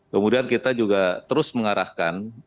kemudian kita juga terus mengarahkan